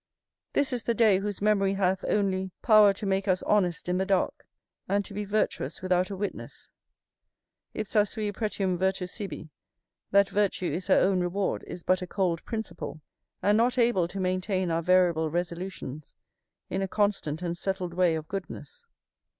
This is the day whose memory hath, only, power to make us honest in the dark, and to be virtuous without a witness. "Ipsa sui pretium virtus sibi," that virtue is her own reward, is but a cold principle, and not able to maintain our variable resolutions in a constant and settled way of goodness.